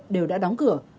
đều đã đóng cửa